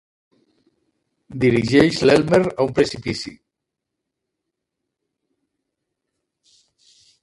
Dirigeix l'Elmer a un precipici.